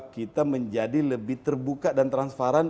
kita menjadi lebih terbuka dan transparan